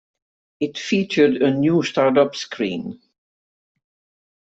It featured a new startup screen.